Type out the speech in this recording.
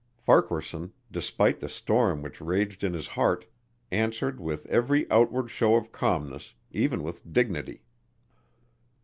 Farquaharson, despite the storm which raged in his heart, answered with every outward show of calmness, even with dignity.